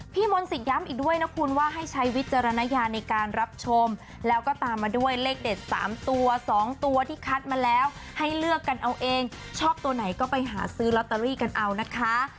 มนศิษย้ำอีกด้วยนะคุณว่าให้ใช้วิจารณญาณในการรับชมแล้วก็ตามมาด้วยเลขเด็ด๓ตัว๒ตัวที่คัดมาแล้วให้เลือกกันเอาเองชอบตัวไหนก็ไปหาซื้อลอตเตอรี่กันเอานะคะ